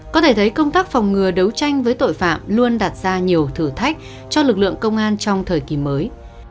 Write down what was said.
có thể thấy công tác phòng ngừa đấu tranh với tội phạm luôn đặt ra nhiều thử thách cho lực lượng công an trong thời kỳ mới